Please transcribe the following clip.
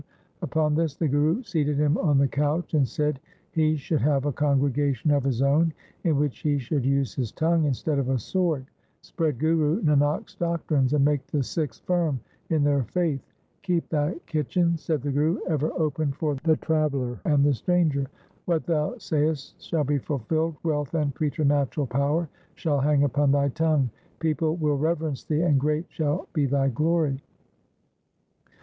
Upon this the Guru seated him on the couch, and said he should have a congregation of his own, in which he should use his tongue instead of a sword, spread Guru Nanak's doctrines, and make the Sikhs firm in their faith. ' Keep thy kitchen ', said the Guru, ' ever open for the traveller and the stranger. What thou sayest shall be fulfilled, wealth and preternatural power shall hang upon thy tongue People will reverence thee, and great shall be thy glory.'